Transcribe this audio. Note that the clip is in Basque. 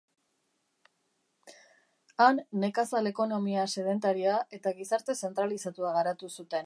Han nekazal ekonomia sedentarioa eta gizarte zentralizatua garatu zuten.